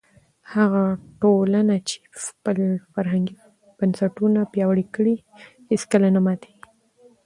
هغه ټولنه چې خپل فرهنګي بنسټونه پیاوړي کړي هیڅکله نه ماتېږي.